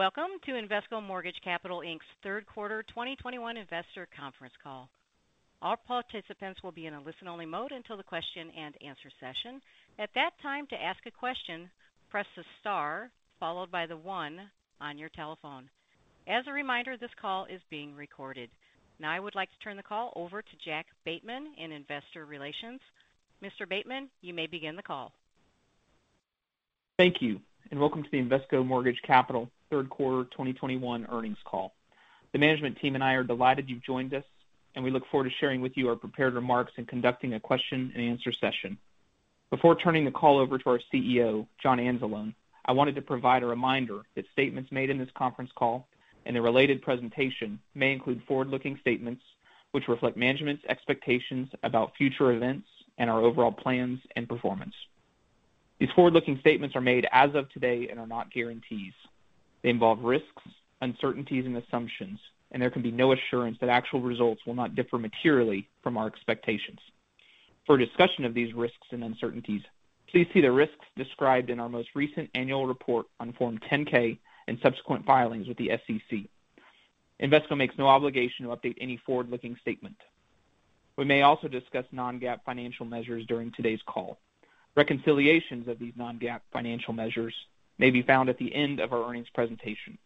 Welcome to Invesco Mortgage Capital Inc.'s third quarter 2021 investor conference call. All participants will be in a listen-only mode until the question-and-answer session. At that time, to ask a question, press the star followed by the one on your telephone. As a reminder, this call is being recorded. Now I would like to turn the call over to Jack Bateman in Investor Relations. Mr. Bateman, you may begin the call. Thank you, and welcome to the Invesco Mortgage Capital third quarter 2021 earnings call. The management team and I are delighted you've joined us, and we look forward to sharing with you our prepared remarks and conducting a question-and-answer session. Before turning the call over to our CEO, John Anzalone, I wanted to provide a reminder that statements made in this conference call and a related presentation may include forward-looking statements which reflect management's expectations about future events and our overall plans and performance. These forward-looking statements are made as of today and are not guarantees. They involve risks, uncertainties, and assumptions, and there can be no assurance that actual results will not differ materially from our expectations. For a discussion of these risks and uncertainties, please see the risks described in our most recent annual report on Form 10-K and subsequent filings with the SEC. Invesco makes no obligation to update any forward-looking statement. We may also discuss non-GAAP financial measures during today's call. Reconciliations of these non-GAAP financial measures may be found at the end of our earnings presentation.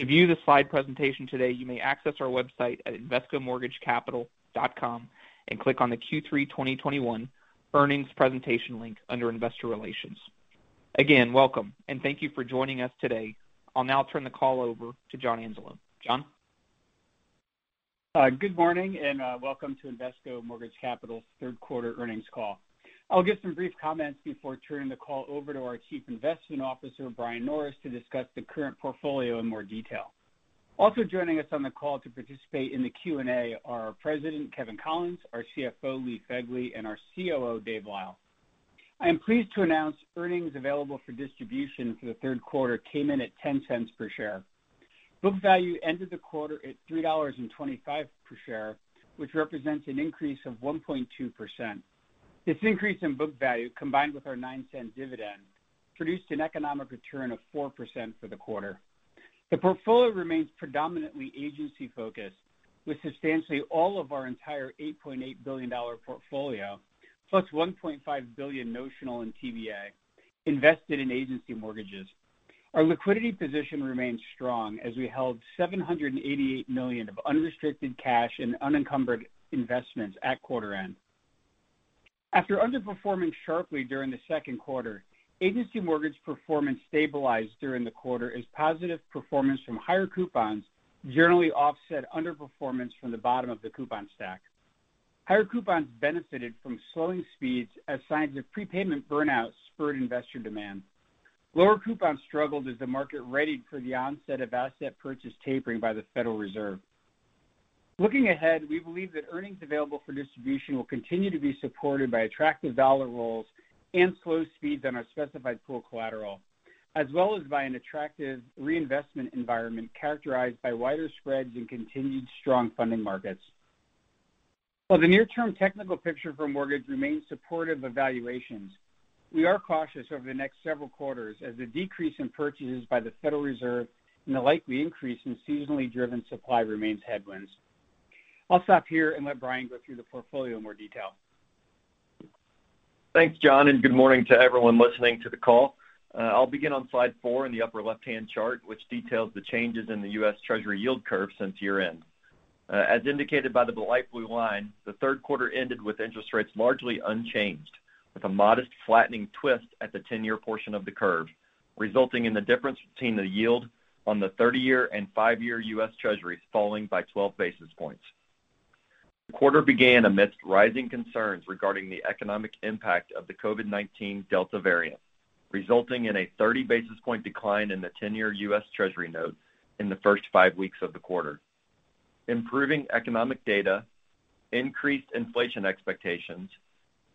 To view the slide presentation today, you may access our website at invescomortgagecapital.com and click on the Q3 2021 earnings presentation link under Investor Relations. Again, welcome, and thank you for joining us today. I'll now turn the call over to John Anzalone. John? Good morning, and welcome to Invesco Mortgage Capital's third quarter earnings call. I'll give some brief comments before turning the call over to our Chief Investment Officer, Brian Norris, to discuss the current portfolio in more detail. Also joining us on the call to participate in the Q&A are our President, Kevin Collins, our CFO, Lee Fegley, and our COO, Dave Lyle. I am pleased to announce earnings available for distribution for the third quarter came in at $0.10 per share. Book value ended the quarter at $3.25 per share, which represents an increase of 1.2%. This increase in book value, combined with our $0.09 dividend, produced an economic return of 4% for the quarter. The portfolio remains predominantly agency-focused, with substantially all of our entire $8.8 billion portfolio, plus $1.5 billion notional in TBA, invested in agency mortgages. Our liquidity position remains strong as we held $788 million of unrestricted cash and unencumbered investments at quarter end. After underperforming sharply during the second quarter, agency mortgage performance stabilized during the quarter as positive performance from higher coupons generally offset underperformance from the bottom of the coupon stack. Higher coupons benefited from slowing speeds as signs of prepayment burnout spurred investor demand. Lower coupons struggled as the market readied for the onset of asset purchase tapering by the Federal Reserve. Looking ahead, we believe that earnings available for distribution will continue to be supported by attractive dollar rolls and slow speeds on our specified pool collateral, as well as by an attractive reinvestment environment characterized by wider spreads and continued strong funding markets. While the near-term technical picture for mortgage remains supportive of valuations, we are cautious over the next several quarters as the decrease in purchases by the Federal Reserve and the likely increase in seasonally driven supply remains headwinds. I'll stop here and let Brian go through the portfolio in more detail. Thanks, John, and good morning to everyone listening to the call. I'll begin on slide four in the upper left-hand chart, which details the changes in the U.S. Treasury yield curve since year-end. As indicated by the light blue line, the third quarter ended with interest rates largely unchanged, with a modest flattening twist at the 10-year portion of the curve, resulting in the difference between the yield on the 30-year and five-year U.S. Treasuries falling by 12 basis points. The quarter began amidst rising concerns regarding the economic impact of the COVID-19 Delta variant, resulting in a 30 basis point decline in the 10-year U.S. Treasury notes in the first five weeks of the quarter. Improving economic data, increased inflation expectations,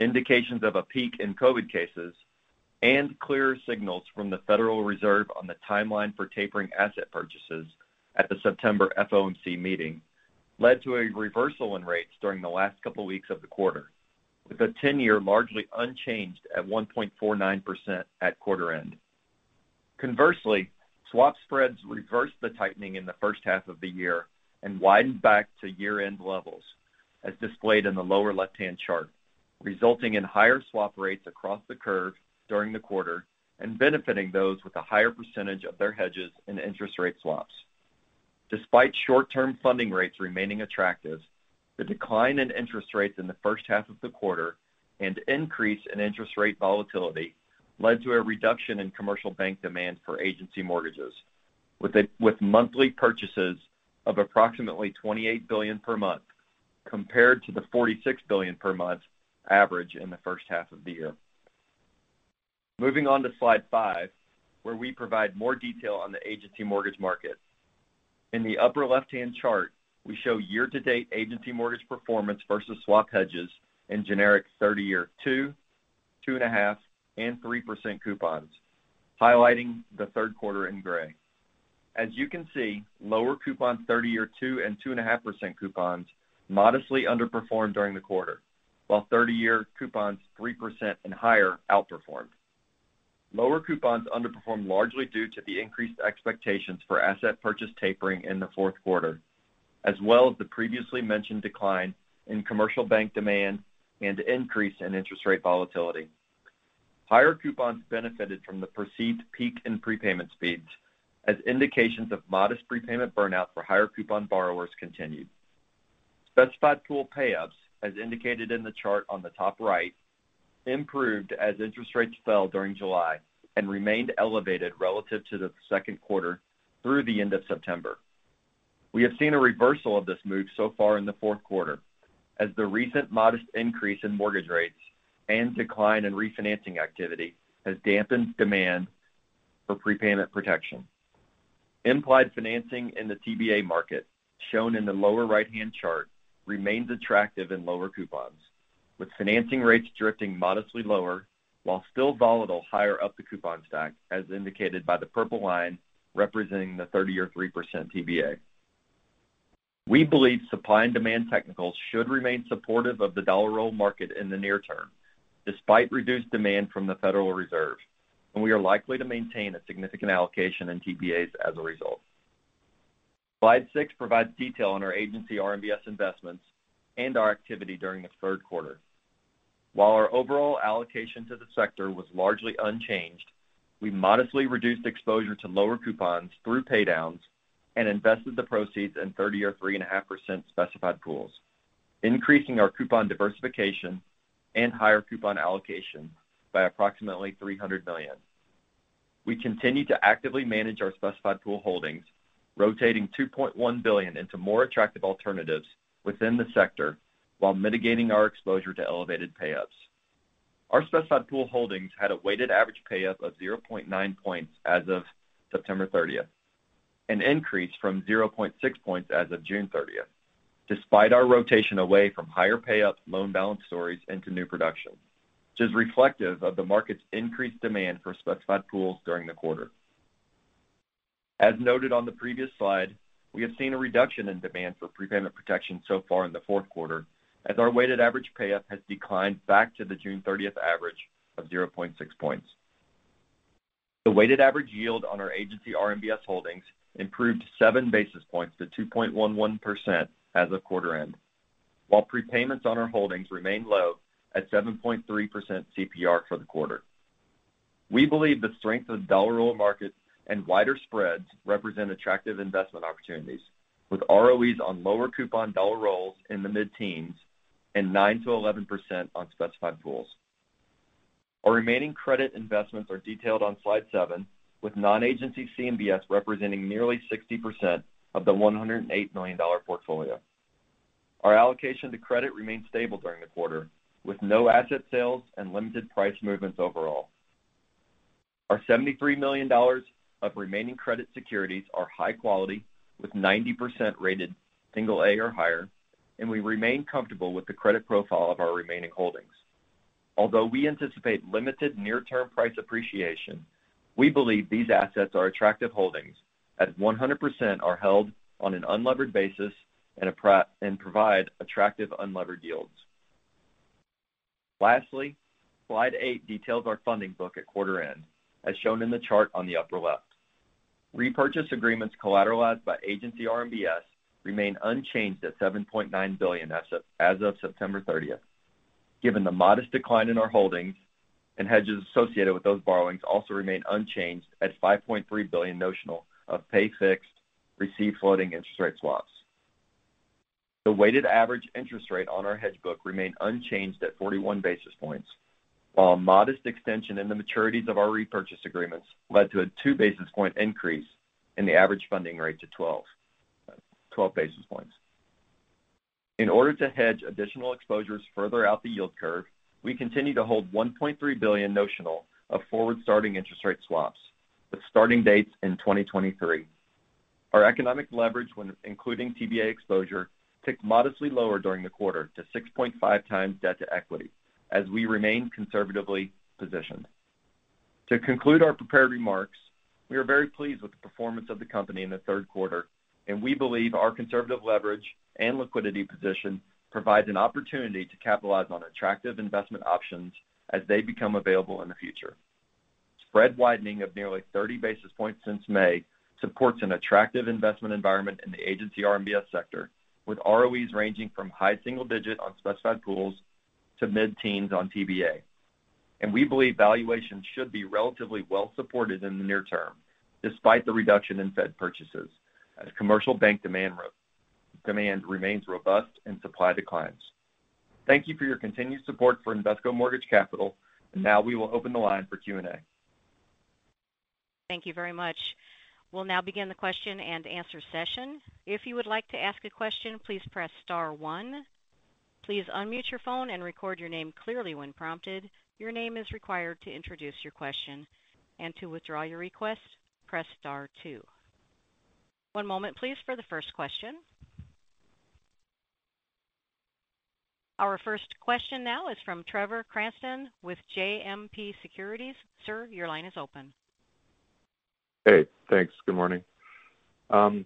indications of a peak in COVID cases, and clearer signals from the Federal Reserve on the timeline for tapering asset purchases at the September FOMC meeting led to a reversal in rates during the last couple weeks of the quarter, with the 10-year largely unchanged at 1.49% at quarter end. Conversely, swap spreads reversed the tightening in the first half of the year and widened back to year-end levels, as displayed in the lower left-hand chart, resulting in higher swap rates across the curve during the quarter and benefiting those with a higher percentage of their hedges in interest rate swaps. Despite short-term funding rates remaining attractive, the decline in interest rates in the first half of the quarter and increase in interest rate volatility led to a reduction in commercial bank demand for agency mortgages, with monthly purchases of approximately $28 billion per month compared to the $46 billion per month average in the first half of the year. Moving on to slide five, where we provide more detail on the agency mortgage market. In the upper left-hand chart, we show year-to-date agency mortgage performance versus swap hedges in generic 30-year 2%, 2.5%, and 3% coupons, highlighting the third quarter in gray. As you can see, lower coupon 30-year 2% and 2.5% coupons modestly underperformed during the quarter, while 30-year coupons 3% and higher outperformed. Lower coupons underperformed largely due to the increased expectations for asset purchase tapering in the fourth quarter, as well as the previously mentioned decline in commercial bank demand and increase in interest rate volatility. Higher coupons benefited from the perceived peak in prepayment speeds as indications of modest prepayment burnout for higher coupon borrowers continued. Specified pool pay-ups, as indicated in the chart on the top right, improved as interest rates fell during July and remained elevated relative to the second quarter through the end of September. We have seen a reversal of this move so far in the fourth quarter as the recent modest increase in mortgage rates and decline in refinancing activity has dampened demand for prepayment protection. Implied financing in the TBA market, shown in the lower right-hand chart, remains attractive in lower coupons, with financing rates drifting modestly lower while still volatile higher up the coupon stack, as indicated by the purple line representing the 30-year 3% TBA. We believe supply and demand technicals should remain supportive of the dollar roll market in the near term despite reduced demand from the Federal Reserve, and we are likely to maintain a significant allocation in TBAs as a result. Slide six provides detail on our agency RMBS investments and our activity during the third quarter. While our overall allocation to the sector was largely unchanged, we modestly reduced exposure to lower coupons through paydowns and invested the proceeds in 30-year 3.5% specified pools, increasing our coupon diversification and higher coupon allocation by approximately $300 million. We continue to actively manage our specified pool holdings, rotating $2.1 billion into more attractive alternatives within the sector while mitigating our exposure to elevated pay-ups. Our specified pool holdings had a weighted average pay-up of 0.9 points as of September 30th, an increase from 0.6 points as of June 30th, despite our rotation away from higher pay-up low balance stories into new production, which is reflective of the market's increased demand for specified pools during the quarter. As noted on the previous slide, we have seen a reduction in demand for prepayment protection so far in the fourth quarter as our weighted average pay-up has declined back to the June 30th average of 0.6 points. The weighted average yield on our agency RMBS holdings improved 7 basis points to 2.11% as of quarter end, while prepayments on our holdings remain low at 7.3% CPR for the quarter. We believe the strength of dollar roll markets and wider spreads represent attractive investment opportunities, with ROEs on lower coupon dollar rolls in the mid-teens and 9%-11% on specified pools. Our remaining credit investments are detailed on slide seven, with non-agency CMBS representing nearly 60% of the $108 million portfolio. Our allocation to credit remained stable during the quarter, with no asset sales and limited price movements overall. Our $73 million of remaining credit securities are high quality, with 90% rated single-A or higher, and we remain comfortable with the credit profile of our remaining holdings. Although we anticipate limited near-term price appreciation, we believe these assets are attractive holdings as 100% are held on an unlevered basis and provide attractive unlevered yields. Lastly, slide eight details our funding book at quarter end, as shown in the chart on the upper left. Repurchase agreements collateralized by agency RMBS remain unchanged at $7.9 billion as of September 30. Given the modest decline in our holdings and hedges associated with those borrowings also remain unchanged at $5.3 billion notional of pay fixed receive floating interest rate swaps. The weighted average interest rate on our hedge book remained unchanged at 41 basis points, while a modest extension in the maturities of our repurchase agreements led to a two basis point increase in the average funding rate to 12 basis points. In order to hedge additional exposures further out the yield curve, we continue to hold $1.3 billion notional of forward-starting interest rate swaps with starting dates in 2023. Our economic leverage when including TBA exposure ticked modestly lower during the quarter to 6.5x debt to equity as we remain conservatively positioned. To conclude our prepared remarks, we are very pleased with the performance of the company in the third quarter, and we believe our conservative leverage and liquidity position provides an opportunity to capitalize on attractive investment options as they become available in the future. Spread widening of nearly 30 basis points since May supports an attractive investment environment in the agency RMBS sector, with ROEs ranging from high single digit on specified pools to mid-teens on TBA. We believe valuations should be relatively well supported in the near term despite the reduction in Fed purchases as commercial bank demand remains robust and supply declines. Thank you for your continued support for Invesco Mortgage Capital. Now we will open the line for Q&A. Thank you very much. We'll now begin the question-and-answer session. Our first question now is from Trevor Cranston with JMP Securities. Sir, your line is open. Hey, thanks. Good morning. I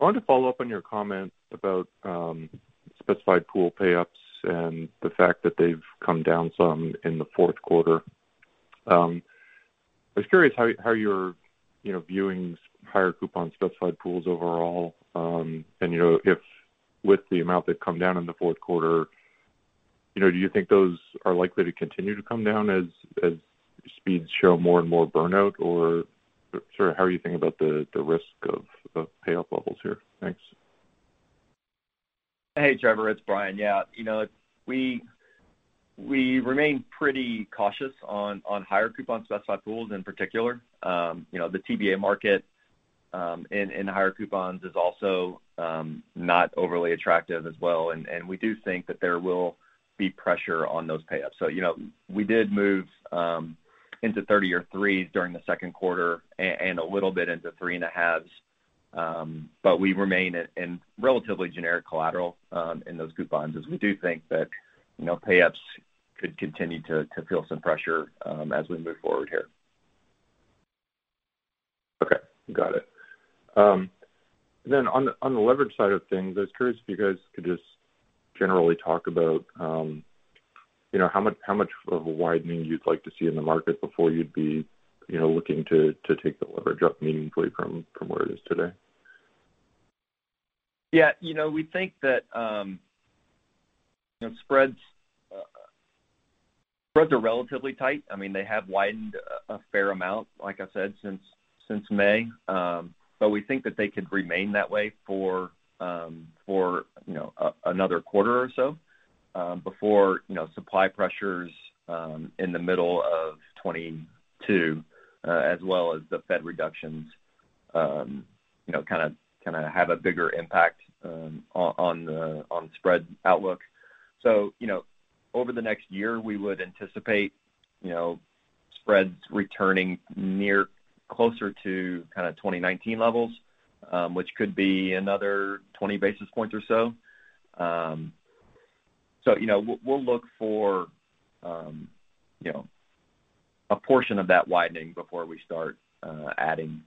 wanted to follow up on your comments about specified pool pay-ups and the fact that they've come down some in the fourth quarter. I was curious how you're viewing higher coupon specified pools overall, and with the amount they've come down in the fourth quarter, do you think those are likely to continue to come down as speeds show more and more burnout? Or sort of how are you thinking about the risk of pay-up levels here? Thanks. Hey, Trevor, it's Brian. Yeah. You know, we remain pretty cautious on higher coupon specified pools in particular. You know, the TBA market in higher coupons is also not overly attractive as well. We do think that there will be pressure on those pay-ups. You know, we did move into 30-year 3% during the second quarter and a little bit into 3.5%. We remain in relatively generic collateral in those coupons, as we do think that you know pay-ups could continue to feel some pressure as we move forward here. Okay, got it. On the leverage side of things, I was curious if you guys could just generally talk about, you know, how much of a widening you'd like to see in the market before you'd be, you know, looking to take the leverage up meaningfully from where it is today. Yeah. You know, we think that, you know, spreads are relatively tight. I mean, they have widened a fair amount, like I said, since May. We think that they could remain that way for, you know, another quarter or so, before, you know, supply pressures in the middle of 2022, as well as the Fed reductions, you know, kind of have a bigger impact on the spread outlook. You know, over the next year, we would anticipate, you know, spreads returning closer to kind of 2019 levels, which could be another 20 basis points or so. You know, we'll look for, you know, a portion of that widening before we start adding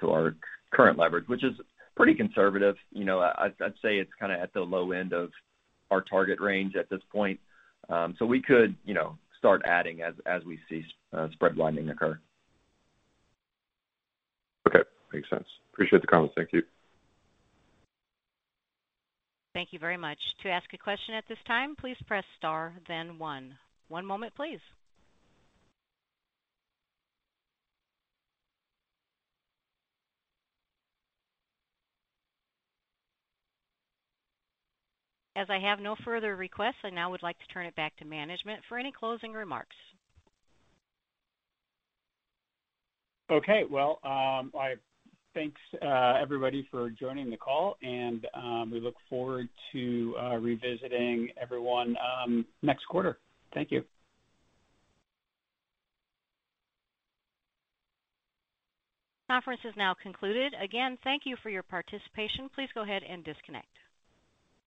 to our current leverage, which is pretty conservative. You know, I'd say it's kind of at the low end of our target range at this point. We could, you know, start adding as we see spread widening occur. Okay. Makes sense. Appreciate the comments. Thank you. Thank you very much. To ask a question at this time, please press star then one. One moment, please. As I have no further requests, I now would like to turn it back to management for any closing remarks. Okay. Well, thanks, everybody for joining the call, and we look forward to revisiting everyone next quarter. Thank you. Conference is now concluded. Again, thank you for your participation. Please go ahead and disconnect.